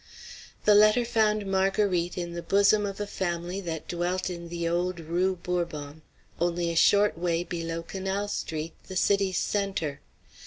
The letter found Marguerite in the bosom of a family that dwelt in the old Rue Bourbon, only a short way below Canal Street, the city's centre.